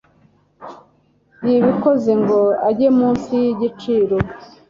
yibikoze ngo ajye munsi y'igiciro